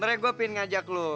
sebenernya gue pengen ngajak lu